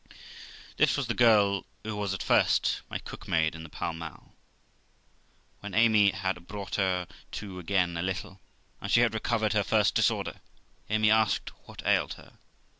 This was the girl who was at first my cook maid m the Pall Mall. When Amy had brought her to again a little, and she had recovered her first disorder, Amy asked what ailed her?